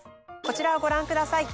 こちらをご覧ください。